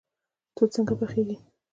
توت څنګه پخیږي؟